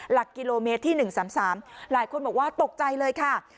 หลักกิโลเมตรที่๑๓๓หลายคนบอกว่าตกใจเลยค่ะ